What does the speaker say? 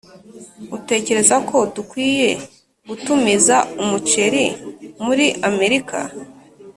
utekereza ko dukwiye gutumiza umuceri muri amerika?